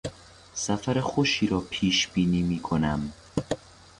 سفر خوشی را پیش بینی میکنم.